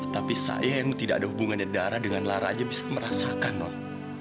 tapi saya yang tidak ada hubungannya darah dengan lara aja bisa merasakan not